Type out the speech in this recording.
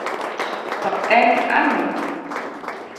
To en ang'o?